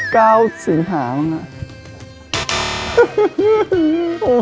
๑เก้าสิงหา๕๗๒เก้ากันยาว๕๗